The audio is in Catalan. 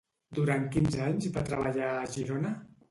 Durant quins anys va treballar a Girona?